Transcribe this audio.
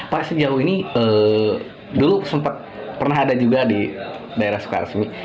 pak sejauh ini dulu sempat pernah ada juga di daerah sukarsmi